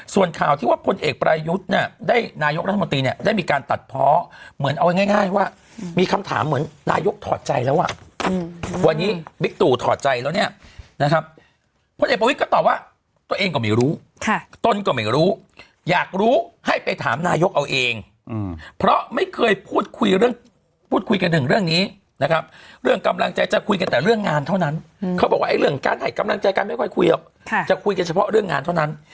ส่วนข่าวที่ว่าคนเอกประวิทยุทธิ์เนี่ยได้นายกรัฐมนตรีเนี่ยได้มีการตัดเพราะเหมือนเอาง่ายว่ามีคำถามเหมือนนายกรัฐมนตร์ถอดใจแล้วว่าวันนี้บิตุถอดใจแล้วเนี่ยนะครับคนเอกประวิทย์ก็ตอบว่าตัวเองก็ไม่รู้ต้นก็ไม่รู้อยากรู้ให้ไปถามนายกรัฐมนตร์เอาเองเพราะไม่เคยพูดคุยเรื่องพูดคุยกันถ